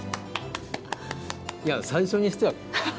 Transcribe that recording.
いや最初にしては。